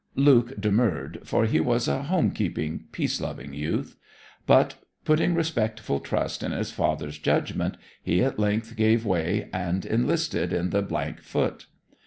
Luke demurred, for he was a home keeping, peace loving youth. But, putting respectful trust in his father's judgment, he at length gave way, and enlisted in the d Foot.